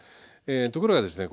ところがですね